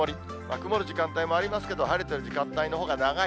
曇る時間帯もありますけど、晴れている時間帯のほうが長い。